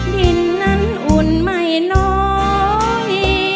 ดินนั้นอุ่นไม่น้อย